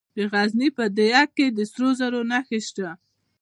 د غزني په ده یک کې د سرو زرو نښې شته.